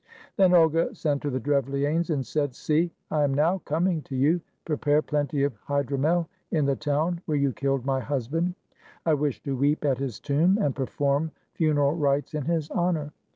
Then Olga sent to the Drevlianes, and said, "See, I am now coming to you. Prepare plenty of hydromel in the town where you killed my husband. I wish to weep at his tomb, and perform funeral rites in his honor."